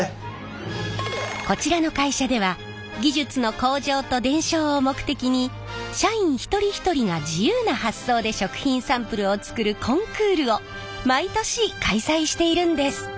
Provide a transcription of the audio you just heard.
こちらの会社では技術の向上と伝承を目的に社員一人一人が自由な発想で食品サンプルを作るコンクールを毎年開催しているんです！